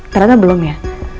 ternyata belum ya